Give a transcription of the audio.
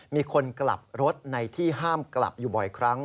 มีคนกลับรถในที่ห้ามกลับอยู่บ่อยครั้ง